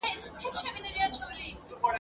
هلته بل ميوند جوړيږي !.